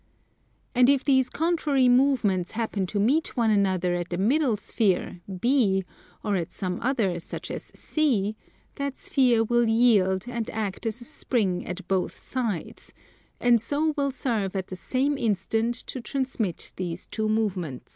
And if these contrary movements happen to meet one another at the middle sphere, B, or at some other such as C, that sphere will yield and act as a spring at both sides, and so will serve at the same instant to transmit these two movements.